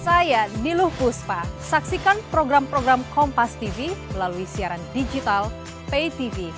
saya niluh puspa saksikan program program kompas tv melalui siaran digital pay tv